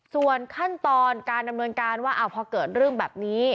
ส่วนขั้นตอนการดำเนินการว่าพอเกิดเรื่องแบบนี้